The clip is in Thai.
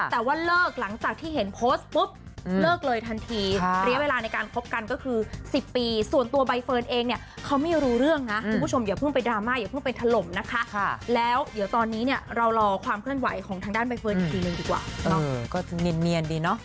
แต่ว่าเลิกหลังจากที่เห็นโพสต์ปุ๊บเลิกเลยทันที